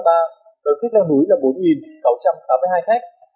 đối với leo núi là bốn sáu trăm tám mươi hai khách